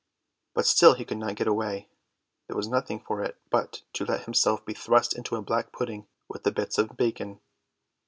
But still he could not get away, there was nothing for it but to let himself be thrust into a black pudding with the bits of bacon.